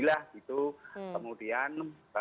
lah gitu kemudian